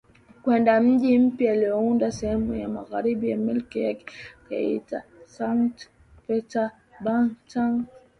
kwenda mji mpya aliounda sehemu ya magharibi ya milki yake akauita Sankt PeterburgTangu